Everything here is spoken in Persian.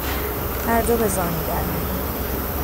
هر دو به زانو درمیآیند